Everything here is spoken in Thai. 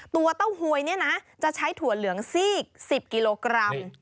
เต้าหวยเนี่ยนะจะใช้ถั่วเหลืองซีก๑๐กิโลกรัม